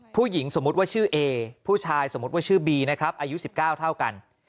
สมมุติว่าชื่อเอผู้ชายสมมุติว่าชื่อบีนะครับอายุ๑๙เท่ากัน